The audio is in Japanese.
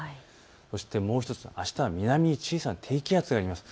そしてもう１つ、あしたは南に小さな低気圧があります。